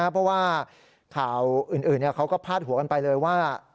เพราะว่าข่าวอื่นเขาก็พาดหัวกันไปเลยว่า